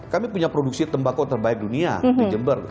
kami punya produksi tembakau terbaik dunia di jember